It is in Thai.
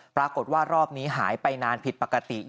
ปรากฏว่ารอบนี้หายไปนานผิดปกติ